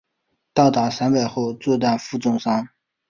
到达陕北后作战负重伤。